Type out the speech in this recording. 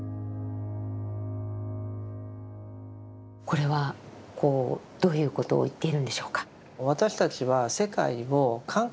これはどういうことを言っているんでしょうか？